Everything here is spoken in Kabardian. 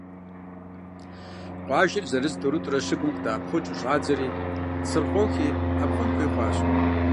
Къуажэр зырыз-тӏурытӏурэ щыгум къыдэӏэпхъукӏыу щӏадзэри, Цырхъохи ӏэпхъуэн хуей хъуащ.